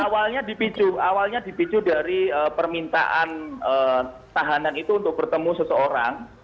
awalnya dipicu awalnya dipicu dari permintaan tahanan itu untuk bertemu seseorang